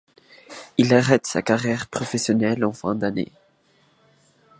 Il arrête sa carrière professionnelle en fin d'année.